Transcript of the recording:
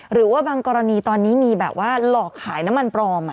หรือว่าบางกรณีตอนนี้มีแบบว่าหลอกขายน้ำมันปลอม